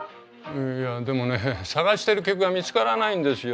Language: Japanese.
いやでもね探してる曲が見つからないんですよ。